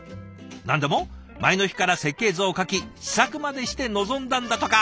何でも前の日から設計図を描き試作までして臨んだんだとか。